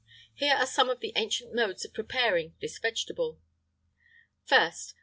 Here are some of the ancient modes of preparing this vegetable: 1st.